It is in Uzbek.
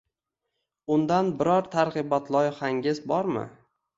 Undan biron targ‘ibot loyihangiz bormi?